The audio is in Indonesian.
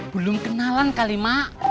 belum kenalan kali mak